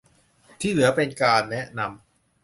ที่เหลือเป็นการแนะนำ